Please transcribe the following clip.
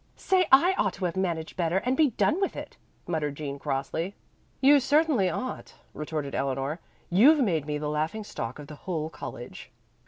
"Say I ought to have managed better and be done with it," muttered Jean crossly. "You certainly ought," retorted Eleanor. "You've made me the laughing stock of the whole college."